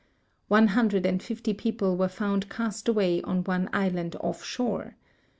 One hundred and fifty people were found cast away on one island oftshore.